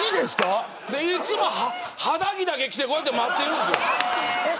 いつも肌着だけ着て待ってるんですよ。